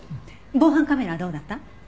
防犯カメラはどうだった？